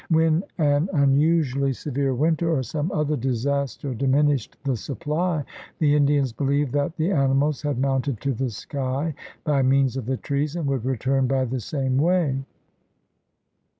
When an unusually severe winter or some other disaster diminished the supply, the Indians believed that the animals had mounted to the sky by means of the trees and would return by the same way.